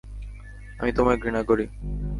আমি তোমায় ঘৃণা করি!